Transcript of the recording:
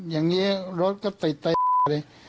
อย่างนี้รถก็ติดไปหมดเลย